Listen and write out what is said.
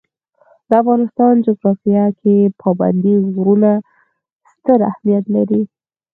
د افغانستان جغرافیه کې پابندی غرونه ستر اهمیت لري.